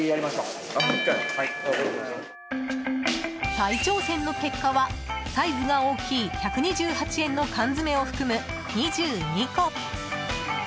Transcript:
再挑戦の結果はサイズが大きい１２８円の缶詰を含む２２個。